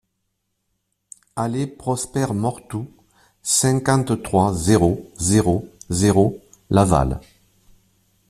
Allée Prosper Mortou, cinquante-trois, zéro zéro zéro Laval